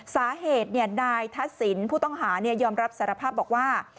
สาเหตุนายทัศนผู้ต้องหายอมรับสารภาพบอกว่า